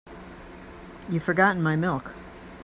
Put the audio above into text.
You've forgotten my milk.